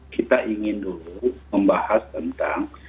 kita ingin dulu membahas tentang